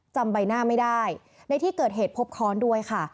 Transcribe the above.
จำใบหน้าไม่ได้ในที่เกิดเหตุพบค้อนด้วยค่ะ